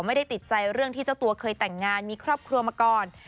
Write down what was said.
ไม่ได้ติดใจเรื่องที่เจ้าตัวเคยแต่งงานมีครอบครัวมาก่อน